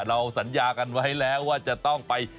เราสัญญากันไว้แล้วว่าจะต้องไป